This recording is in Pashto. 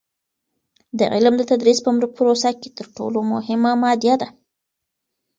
د علم د تدریس په پروسه کې تر ټولو مهمه مادیه ده.